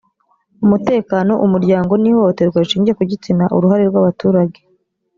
umutekano umuryango n ihohoterwa rishingiye ku gitsina uruhare rw abaturage